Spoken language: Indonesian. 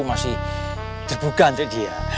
masih terbuka nanti dia